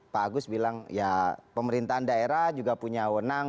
pak agus bilang ya pemerintahan daerah juga punya wenang